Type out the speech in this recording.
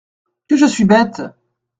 Que je suis bête !…